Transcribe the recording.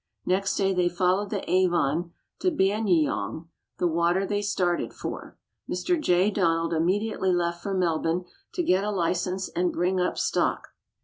Next day they followed the Avon to Banyeyong the water ihey started for. Mr. J. Donald immediately left for Melbourne to get a license and bring up stock.